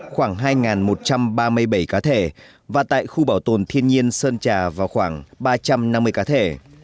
khoảng hai một trăm ba mươi bảy cá thể và tại khu bảo tồn thiên nhiên sơn trà vào khoảng ba trăm năm mươi cá thể